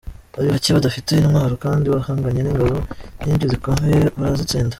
Bari bake, badafite intwaro kandi bahanganye n’ingabo nyinshi zikomeye barazitsinda.